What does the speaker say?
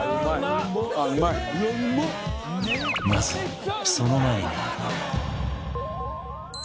まずはその前に